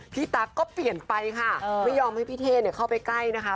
ตั๊กก็เปลี่ยนไปค่ะไม่ยอมให้พี่เท่เข้าไปใกล้นะคะ